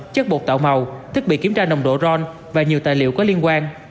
chất bột tạo màu thiết bị kiểm tra nồng độ ron và nhiều tài liệu có liên quan